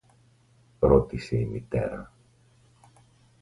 ρώτησε η μητέρα